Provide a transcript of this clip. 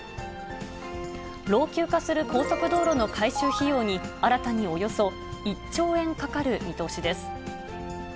老朽化する高速道路の改修費用に、新たにおよそ１兆円かかる見通しです。